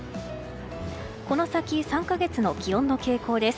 この先３か月の気温の傾向です。